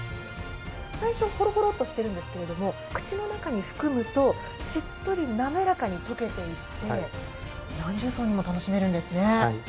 最初、ほろほろっとしてるんですけれども、口の中に含むとしっとり滑らかに溶けていって何重奏にも楽しめるんですね。